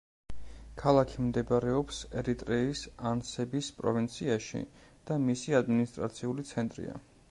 ქალაქი მდებარეობს ერიტრეის ანსების პროვინციაში და მისი ადმინისტრაციული ცენტრია.